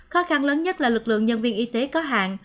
khó khăn lớn nhất là lực lượng nhân viên y tế có hạn